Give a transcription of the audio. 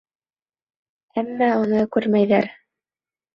Әммә уны күрмәйҙәр.